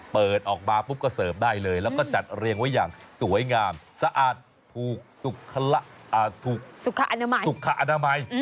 เปิดออกมาปุ๊บก็เสิร์ฟได้เลยแล้วก็จัดเรียงไว้อย่างสวยงามสะอาดถูกสุขอนามสุขอนามัย